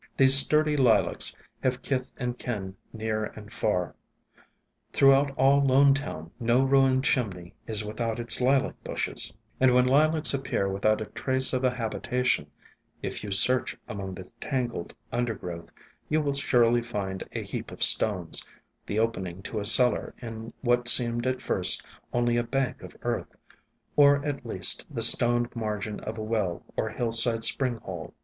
These sturdy Lilacs have kith and kin near and far. Throughout all Lonetown no ruined chimney is without its Lilac bushes; and when Lilacs ap pear without a trace of a habitation, if you search among the tangled undergrowth, you will surely find a heap of stones, the opening to a cellar in what seemed at first only a bank of earth, or at least the stoned margin of a well or hillside spring hole.